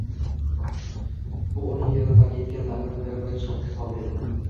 — bu uning Yerni tark etganidan beri birinchi xitobi edi: